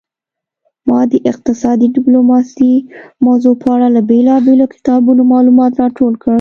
ما د اقتصادي ډیپلوماسي موضوع په اړه له بیلابیلو کتابونو معلومات راټول کړل